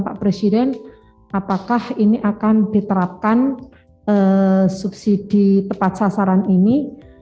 dan pak presiden apakah ini akan diterapkan subsidi tepat sasaran ini